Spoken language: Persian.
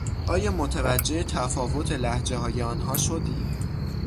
آیا متوجه تفاوت لهجههای آنها شدی؟